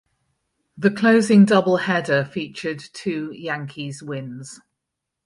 The closing doubleheader featured two Yankees wins.